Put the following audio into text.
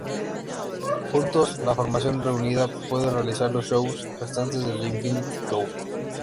Juntos, la formación reunida pudo realizar los shows restantes del "Infinity Tour".